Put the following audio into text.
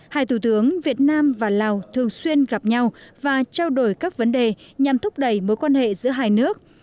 hai thủ tướng việt nam và lào thường xuyên gặp nhau và trao đổi các vấn đề nhằm thúc đẩy mối quan hệ giữa hai nước